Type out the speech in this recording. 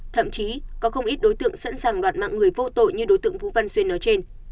thậm chí có không ít đối tượng sẵn sàng loạt mạng người vô tội như đối tượng vũ văn xuyên nói trên